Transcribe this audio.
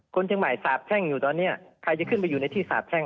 คนเชียงใหม่สาบแช่งอยู่ตอนนี้ใครจะขึ้นไปอยู่ในที่สาบแช่ง